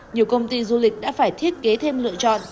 nhiều công ty du lịch đã phải thiết kế thêm lựa chọn